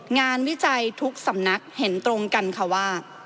วิจัยทุกสำนักเห็นตรงกันค่ะว่า